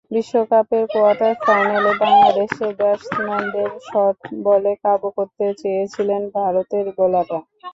বিশ্বকাপের কোয়ার্টার ফাইনালে বাংলাদেশের ব্যাটসম্যানদের শর্ট বলে কাবু করতে চেয়েছিলেন ভারতের বোলাররা।